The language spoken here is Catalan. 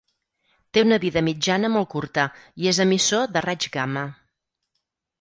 Té una vida mitjana molt curta i és emissor de raig gamma.